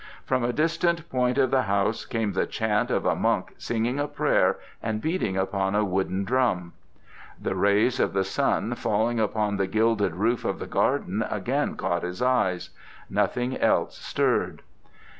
From a distant point of the house came the chant of a monk singing a prayer and beating upon a wooden drum. The rays of the sun falling upon the gilded roof in the garden again caught his eyes; nothing else stirred.